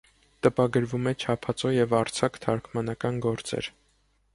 Տպագրում է չափածո և արձակ թարգմանական գործեր։